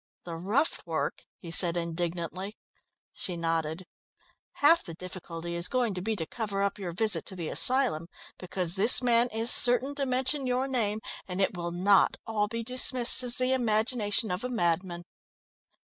"The rough work!" he said indignantly. She nodded. "Half the difficulty is going to be to cover up your visit to the asylum, because this man is certain to mention your name, and it will not all be dismissed as the imagination of a madman.